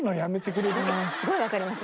もうすごいわかります！